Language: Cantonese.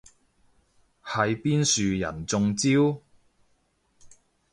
係邊樹人中招？